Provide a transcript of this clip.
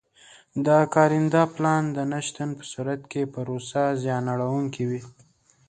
د کارنده پلان د نه شتون په صورت کې پروسه زیان اړوونکې وي.